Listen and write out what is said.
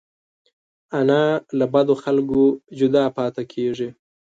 انا له بدو خلکو جدا پاتې کېږي